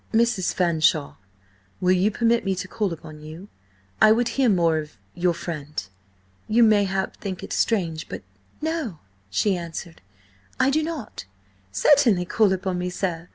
"Mrs. Fanshawe, will you permit me to call upon you? I would hear more of–your friend. You, mayhap, think it strange–but—" "No," she answered. "I do not. Certainly call upon me, sir.